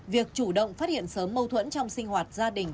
việc chủ động phát hiện sớm mâu thuẫn trong sinh hoạt gia đình